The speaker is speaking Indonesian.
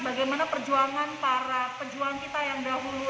bagaimana perjuangan para pejuang kita yang dahulu